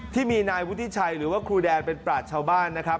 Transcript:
ที่มีนายวุฒิชัยหรือว่าครูแดนเป็นปราชชาวบ้านนะครับ